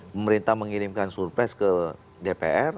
pemerintah mengirimkan surprise ke dpr